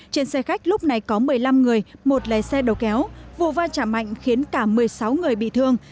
trên xe khách lúc này có một mươi năm người một lấy xe đầu kéo vụ vai trạm mạnh khiến cả một mươi sáu người bị thương